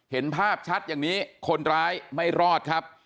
เห็นภาพชัดอย่างนี้คนร้ายไม่รอดครับ